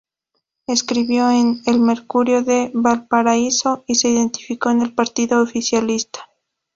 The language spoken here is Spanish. Escribió en "El Mercurio" de Valparaíso y se identificó con el partido oficialista.